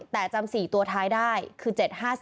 แต่จำ๔ตัวท้ายได้คือ๗๕๔